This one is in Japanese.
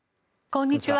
こんにちは。